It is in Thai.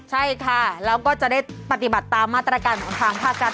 ใช่ค่ะแล้วก็จะได้ปฏิบัติตามมาตรการของทางภาครัฐ